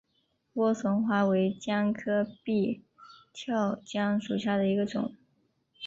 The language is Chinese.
莴笋花为姜科闭鞘姜属下的一个种。